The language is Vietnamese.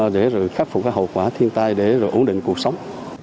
để rồi khắc phục cái hậu quả thiên tai để rồi ổn định cuộc sống